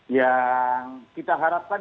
yang kita harapkan